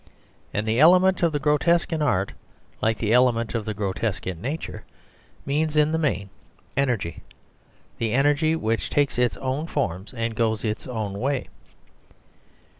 And the element of the grotesque in art, like the element of the grotesque in nature, means, in the main, energy, the energy which takes its own forms and goes its own way.